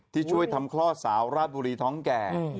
ที่ช่วยทำคลอดสาวราชบุรีท้องแก่